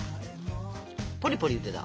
ポリポリいってた。